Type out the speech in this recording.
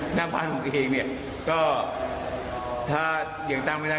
หน้าบ้านผมเองเนี่ยก็ถ้ายังตั้งไม่ได้